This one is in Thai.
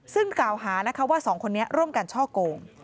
ซึ่งกล่าวหาว่า๒คนนี้ร่วมกันช่อโกง